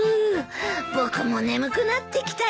僕も眠くなってきたよ。